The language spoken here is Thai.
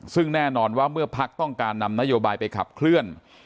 ซึ่งแน่นอนว่าเมื่อพักต้องการนำนโยบายไปขับเคลื่อน